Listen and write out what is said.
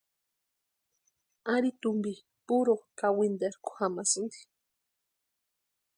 Ari tumpi puru kawinterku jamasïnti.